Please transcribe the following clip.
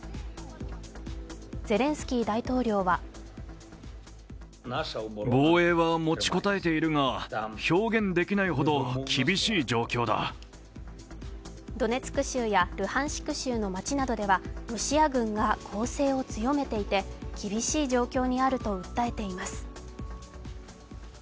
ゼレンスキー大統領はドネツク州やルハンシク州の街などではロシア軍が攻勢を強めていて厳しい状況にあると訴えています。